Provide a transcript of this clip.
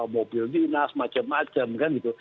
mobil dinas macam macam kan gitu